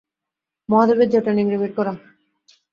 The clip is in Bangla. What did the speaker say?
মহাদেবের জটা নিংড়ে বের-করা।